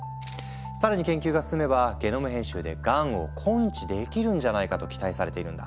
更に研究が進めばゲノム編集でがんを根治できるんじゃないかと期待されているんだ。